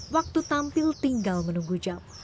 waktu tampil tinggal menunggu jam